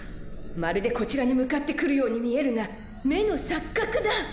まるでこちらにむかってくるようにみえるがめのさっかくだ！